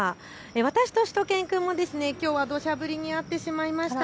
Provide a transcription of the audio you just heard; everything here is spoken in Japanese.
私としゅと犬くんもきょうはどしゃ降りに遭ってしまいました。